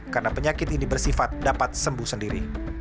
karena penyakit ini bersifat dapat sembuh sendiri